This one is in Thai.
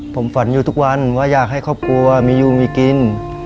ผมฝันอยู่ทุกวันว่าอยากให้ครอบครัวมีอยู่มีกิน